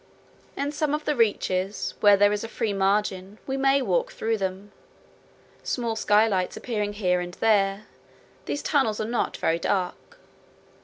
In some of the reaches, where there is a free margin, we may walk through them. Small skylights appearing here and there, these tunnels are not very dark.